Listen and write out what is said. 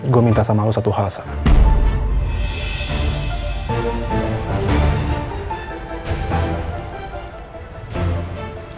gue minta sama lo satu hal sekarang